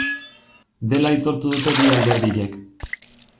Dela aitortu dute bi alderdiek.